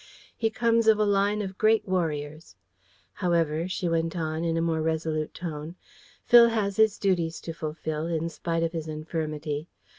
"He comes of a line of great warriors. However," she went on, in a more resolute tone, "Phil has his duties to fulfil, in spite of his infirmity.